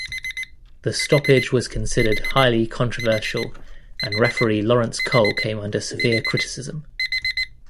The stoppage was considered highly controversial and referee Laurence Cole came under severe criticism.